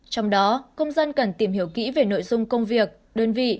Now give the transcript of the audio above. trong đó công dân cần tìm hiểu kỹ về nội dung công việc đơn vị